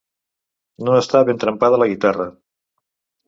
No estar ben trempada la guitarra.